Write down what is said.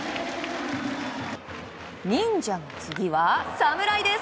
忍者の次は侍です。